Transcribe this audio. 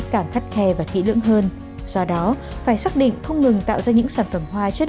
càng khắt khe và kỹ lưỡng hơn do đó phải xác định không ngừng tạo ra những sản phẩm hoa chất